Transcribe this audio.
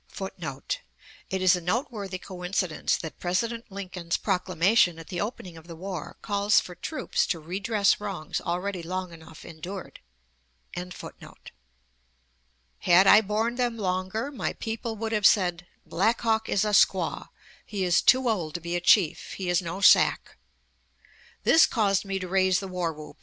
[Footnote: It is a noteworthy coincidence that President Lincoln's proclamation at the opening of the war calls for troops "to redress wrongs already long enough endured."] Had I borne them longer my people would have said: 'Black Hawk is a squaw; he is too old to be a chief; he is no Sac.' This caused me to raise the war whoop.